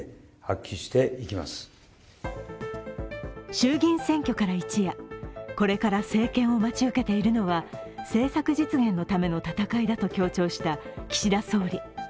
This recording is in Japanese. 衆議院選挙から一夜、これから政権を待ち受けているのは政策実現のための戦いだと強調した岸田総理。